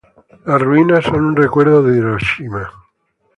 Las ruinas son un recuerdo de Hiroshima.